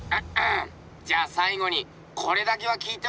じゃあさいごにこれだけは聞いておけ。